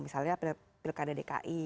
misalnya pilkada dki